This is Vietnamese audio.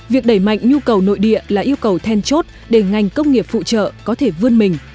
việc đẩy mạnh nhu cầu nội địa là yêu cầu then chốt để ngành công nghiệp phụ trợ có thể vươn mình